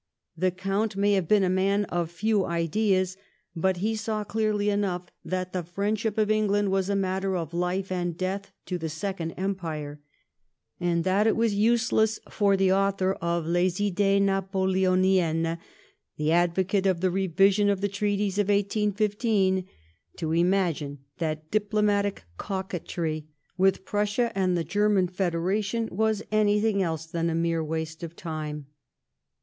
The Count may have been a man of few ideas, but he saw clearly enough that the friend^ip of England was a matter of life and death to the Second Empire, and that it was useless for the author of Le$: Idies NapoleonienneSf the advocate of the revision of tho treaties of 1815, to imagine that diplomatic coquetry with Frussia and the German Federation was anything else than a mere waste of time.